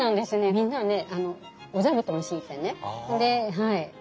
みんなねお座布団敷いてね。